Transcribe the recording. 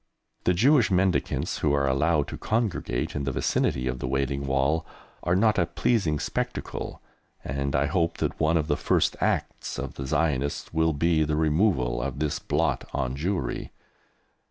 The Jewish mendicants who are allowed to congregate in the vicinity of the Wailing Wall are not a pleasing spectacle, and I hope that one of the first acts of the Zionists will be the removal of this blot on Jewry.